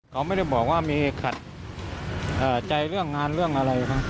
เขาไม่ได้บอกว่ามีขัดใจเรื่องงานเรื่องอะไรครับ